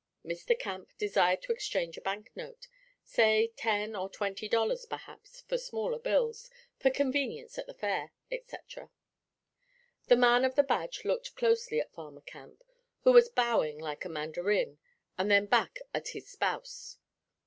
Mr. Camp desired to exchange a banknote, say ten or twenty dollars, perhaps, for smaller bills, for convenience at the Fair, etc. The man of the badge looked closely at Farmer Camp, who was bowing like a mandarin, and then back at his spouse.